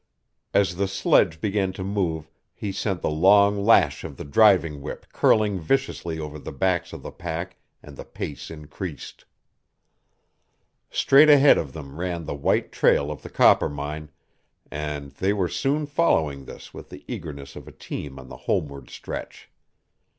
As the sledge began to move he sent the long lash of the driving whip curling viciously over the backs of the pack and the pace increased. Straight ahead of them ran the white trail of the Coppermine, and they were soon following this with the eagerness of a team on the homeward stretch.